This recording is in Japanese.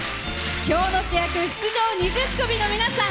今日の主役出場２０組の皆さん。